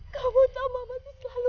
kamu sama mama selalu memikirkan kamu